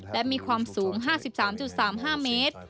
และมีความสูง๕๓๓๕เมตร